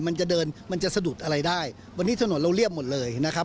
มันจะเดินมันจะสะดุดอะไรได้วันนี้ถนนเราเรียบหมดเลยนะครับ